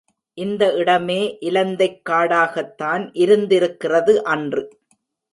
இந்த இடமே இலந்தைக் காடாகத் தான் இருந்திருக்கிறது அன்று.